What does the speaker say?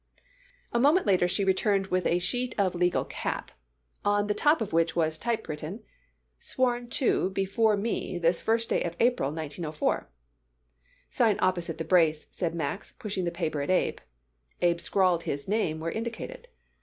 A moment later she returned with a sheet of legal cap, on the top of which was typewritten: "Sworn to before me this first day of April, 1904." "Sign opposite the brace," said Max, pushing the paper at Abe, and Abe scrawled his name where indicated.